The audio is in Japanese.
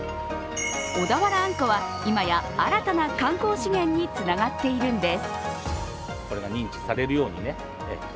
小田原あんこは今や新たな観光資源につながっているんです。